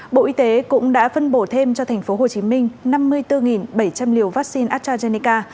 bộ y tế cũng đã phân bổ thêm cho thành phố hồ chí minh năm mươi bốn bảy trăm linh liều vaccine astrazeneca